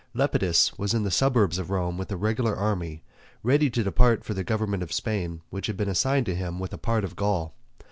Lepidus was in the suburbs of Rome with a regular army, ready to depart for the government of Spain, which had been assigned to him with a part of Gaul.